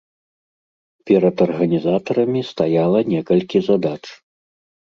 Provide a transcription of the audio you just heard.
Перад арганізатарамі стаяла некалькі задач.